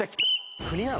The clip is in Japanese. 国なの？